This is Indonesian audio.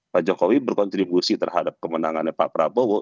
pak jokowi berkontribusi terhadap kemenangannya pak prabowo